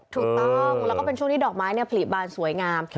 ถูกต้องแล้วก็เป็นช่วงที่ดอกไม้ผลิบานสวยงาม